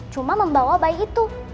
cuma membawa bayi itu